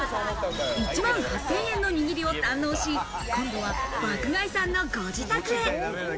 １万８０００円の握りを堪能し、今度は爆買いさんのご自宅へ。